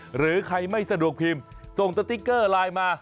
หรือใครไม่สะดวกพิมพ์ส่งสติ๊กเกอร์ไลน์มา